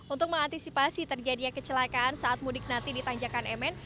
untuk mengantisipasi terjadinya kecelakaan saat mudik nanti di tanjakan mn